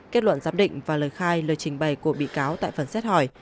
kết luận giám định và lời khai lời trình bày của bị cáo tại phần xét hỏi